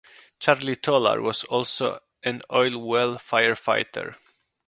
Charlie Tolar was also an oil well fire-fighter.